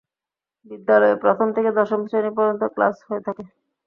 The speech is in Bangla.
বিদ্যালয়ে প্রথম থেকে দশম শ্রেণি পর্যন্ত ক্লাস হয়ে থাকে।